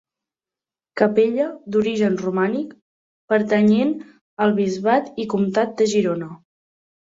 Capella d'origen romànic pertanyent al bisbat i comtat de Girona.